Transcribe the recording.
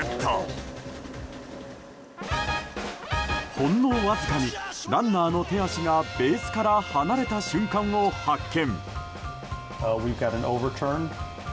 ほんのわずかにランナーの手足がベースから離れた瞬間を発見。